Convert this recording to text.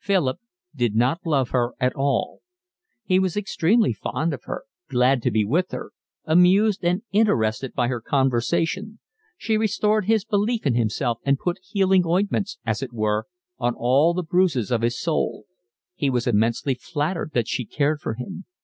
Philip did not love her at all. He was extremely fond of her, glad to be with her, amused and interested by her conversation. She restored his belief in himself and put healing ointments, as it were, on all the bruises of his soul. He was immensely flattered that she cared for him.